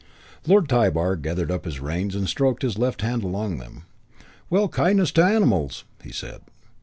Lord Tybar gathered up his reins and stroked his left hand along them. "Well, kindness to animals!" he said.